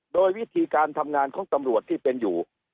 โดยวิธีการทำงานของตำรวจที่เป็นอยู่